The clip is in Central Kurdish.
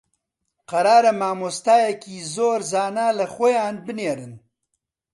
قەرارە مامۆستایەکی زۆر زانا لە خۆیان بنێرن